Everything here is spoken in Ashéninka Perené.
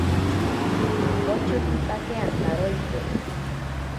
Nopochokitake antaroite.